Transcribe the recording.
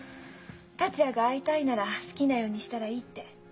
「達也が会いたいなら好きなようにしたらいい」って。